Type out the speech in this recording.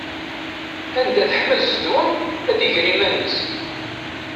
Anda teḥma zzedwa ad iger iman-is.